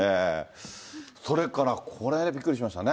それから、これ、びっくりしましたね。